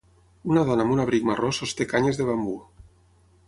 una dona amb un abric marró sosté canyes de bambú.